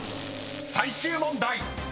［最終問題］